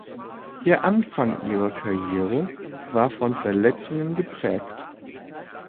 Der Anfang ihrer Karriere war von Verletzungen geprägt.